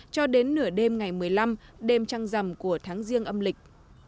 cho đến nửa đêm ngày một mươi năm đêm trăng rằm của tháng riêng âm lịch